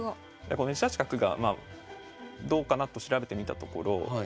この１八角がどうかなと調べてみたところ。